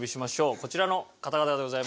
こちらの方々でございます。